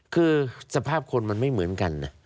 คือสภาพคนมันไม่เหมือนกันนะ